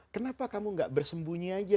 kenapa kamu gak bersembunyi aja